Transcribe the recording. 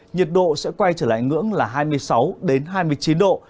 nhiệt độ sẽ quay trở lại ngưỡng là hai mươi sáu hai mươi chín độ